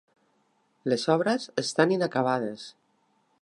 Les obres estan inacabades.